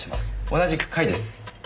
同じく甲斐です。